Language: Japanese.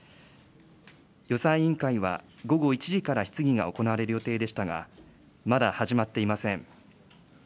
予算委員会は、午後１時から質疑が行われる予定でしたが、まだ始まっていません。